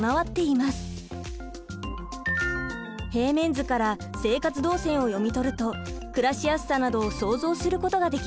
平面図から生活動線を読み取ると暮らしやすさなどを想像することができます。